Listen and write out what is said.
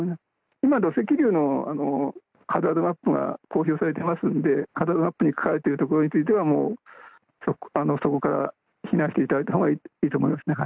今、土石流のハザードマップが公表されていますので、ハザードマップに書かれている所についてはもうそこから避難していただいたほうがいいと思いますね。